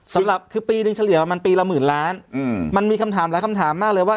สำหรับคือปีหนึ่งเฉลี่ยมันปีละหมื่นล้านมันมีคำถามหลายคำถามมากเลยว่า